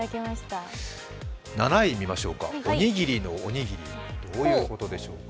７位見ましょうかおにぎりのおにぎりどういうことでしょうか。